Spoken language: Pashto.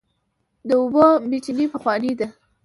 د اوبو میچنې پخوانۍ دي.